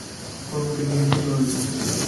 Cork cambium কোন ধরনের tissue?